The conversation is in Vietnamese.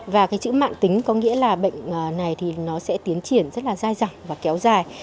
và cái chữ mạng tính có nghĩa là bệnh này thì nó sẽ tiến triển rất là dài dặn và kéo dài